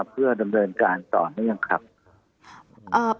เพื่อดำเนินการต่อเนื่องครับ